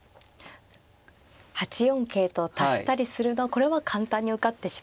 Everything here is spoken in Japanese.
８四桂と足したりするのはこれは簡単に受かってしまうんですか。